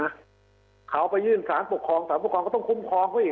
เขาไปยื่นสารปกครองสารปกครองก็ต้องคุ้มครองเขาอีก